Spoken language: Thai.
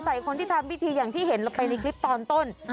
ใส่คนที่ทำพิธีอย่างที่เห็นเราไปในคลิปตอนต้น